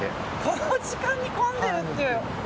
この時間に混んでるっていう。